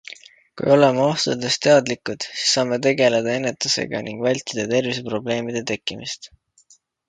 Kui oleme ohtudest teadlikud, siis saame tegeleda ennetusega ning vältida terviseprobleemide tekkimist.